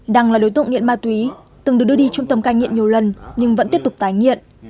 đăng là đối tượng nghiện mà tùy ý từng được đưa đi trung tâm cai nghiện nhiều lần nhưng vẫn tiếp tục tái nghiện